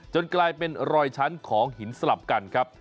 กลายเป็นรอยชั้นของหินสลับกันครับ